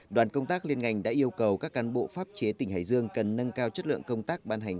đoàn công tác liên ngành đã yêu cầu các cán bộ pháp chế tỉnh hải dương cần nâng cao chất lượng công tác ban hành